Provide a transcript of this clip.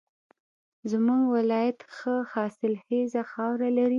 زمونږ ولایت ښه حاصلخیزه خاوره لري